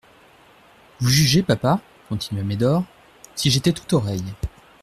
«, Vous jugez, papa, continua Médor, si j'étais tout oreilles.